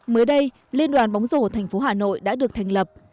mới đây liên đoàn bóng rổ thành phố hà nội đã được thành lập